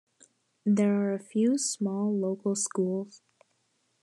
There are a few small local schools.